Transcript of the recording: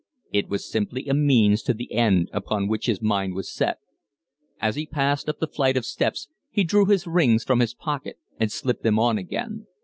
It was simply a means to the end upon which his mind was set. As he passed up the flight of steps he drew his rings from his pocket and slipped them on again.